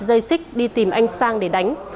dây xích đi tìm anh sang để đánh